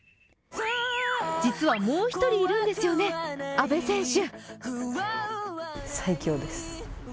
実はもう１人いるんですよね、阿部選手？